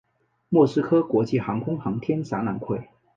莫斯科国际航空航天展览会。